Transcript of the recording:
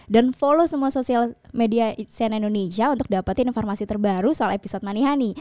dan follow semua sosial media cnn indonesia untuk dapetin informasi terbaru soal episode manihani